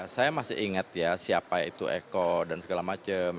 saya masih ingat ya siapa itu eko dan segala macam